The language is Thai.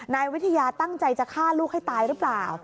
นายวิทยาตั้งใจจะฆ่าลูกให้ตายหรือเปล่า